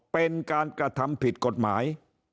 เป็นการกระทำผิดกฎหมาย